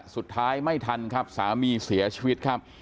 สุดท้ายไม่ทันครับสามีเสียชีวิตครับ